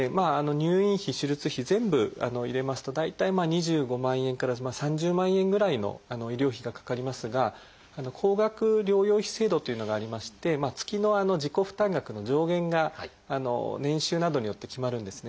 入院費手術費全部入れますと大体２５万円から３０万円ぐらいの医療費がかかりますが高額療養費制度というのがありまして月の自己負担額の上限が年収などによって決まるんですね。